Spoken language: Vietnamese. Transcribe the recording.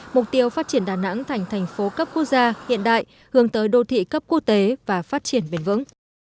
mục tiêu phát triển đà nẵng thành thành phố cấp quốc gia hiện đại hướng tới đô thị cấp quốc tế và phát triển bền vững